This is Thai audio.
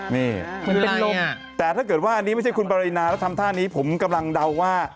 นี่มันเป็นลมแต่ถ้าเกิดว่าอันนี้ไม่ใช่คุณปรินาแล้วทำท่านี้ผมกำลังเดาว่า